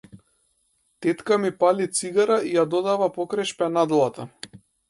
Тетка ми пали цигара и ја додава покрај шпенадлата.